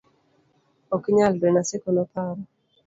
ok nyalre, Naseko noparo